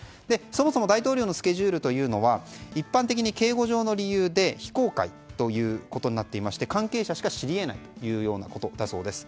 そもそも大統領のスケジュールは一般的に警護上の理由で非公開になっていまして関係者しか知り得ないんだそうです。